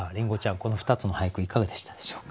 この２つの俳句いかがでしたでしょうか？